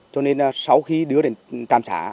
cho nên sau khi đưa đến trạm xá